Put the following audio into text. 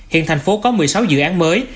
hiện thành phố có một mươi sáu dự án mới